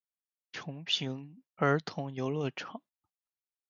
重平儿童游戏场